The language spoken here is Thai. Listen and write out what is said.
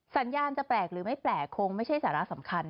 สัญญาณจะแปลกหรือไม่แปลกคงไม่ใช่สาระสำคัญ